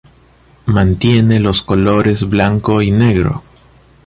Mantiene los colores blanco y negro.